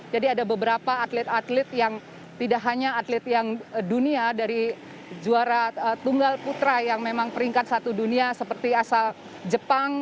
jadi ada beberapa atlet atlet yang tidak hanya atlet yang dunia dari juara tunggal putra yang memang peringkat satu dunia seperti asal jepang